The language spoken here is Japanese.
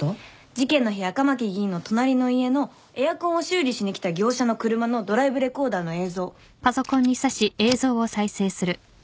事件の日赤巻議員の隣の家のエアコンを修理しに来た業者の車のドライブレコーダーの映像。